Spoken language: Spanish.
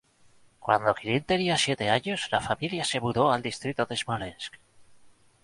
Cuando Kirill tenía siete años, la familia se mudó al distrito de Smolensk.